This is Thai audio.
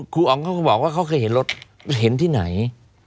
อ๋องเขาก็บอกว่าเขาเคยเห็นรถเห็นที่ไหน